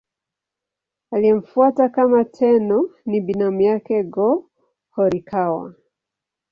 Aliyemfuata kama Tenno ni binamu yake Go-Horikawa.